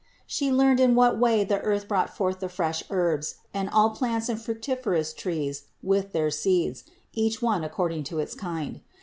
She learned in what way the earth brought forth the fresh herbs, and all plants and fructiferous trees with their seeds, each one according to its kind.